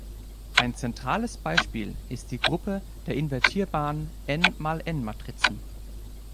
Ein zentrales Beispiel ist die Gruppe der invertierbaren "n"×"n"-Matrizen.